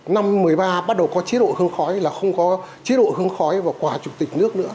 năm một mươi ba bắt đầu có chế độ hương khói là không có chế độ hương khói và quà chủ tịch nước nữa